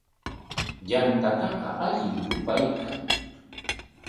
Yantataqa allim rupaykan.